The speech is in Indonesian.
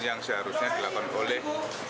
yang seharusnya dilakukan oleh